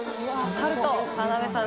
タルト田辺さん